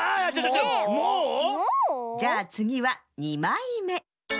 もう⁉じゃあつぎは２まいめ！